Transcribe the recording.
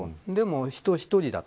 人、１人だと。